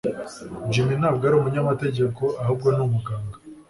Jim ntabwo ari umunyamategeko ahubwo ni umuganga